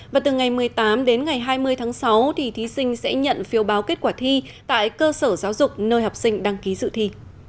và từ ngày một mươi tám đến ngày hai mươi tháng sáu thí sinh sẽ nhận phiêu báo kết quả thi tại cơ sở giáo dục nơi học sinh đăng ký dự thi